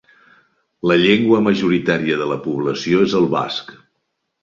La llengua majoritària de la població és el basc.